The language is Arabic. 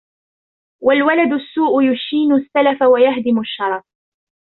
وَالْوَلَدُ السُّوءُ يَشِينُ السَّلَفَ وَيَهْدِمُ الشَّرَفَ